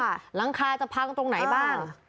ค่ะหลังคาจะพังตรงไหนบ้างอ๋อ